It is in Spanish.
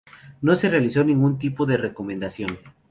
No se realizó ningún tipo de recomendación.